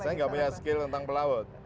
saya nggak punya skill tentang pelaut